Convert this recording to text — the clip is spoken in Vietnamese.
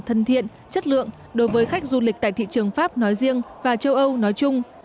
thân thiện chất lượng đối với khách du lịch tại thị trường pháp nói riêng và châu âu nói chung